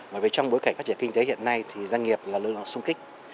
bởi vì trong bối cảnh phát triển kinh tế hiện nay thì doanh nghiệp là lưu lọng sung kích